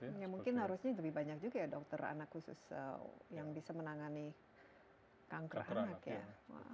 ya mungkin harusnya lebih banyak juga ya dokter anak khusus yang bisa menangani kanker anak ya